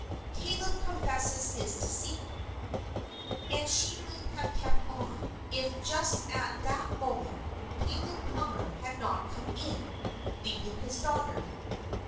Caleb Confesses His Deceit And she might have kept on, if just at that moment Caleb Plummer had not come in, leading his daughter.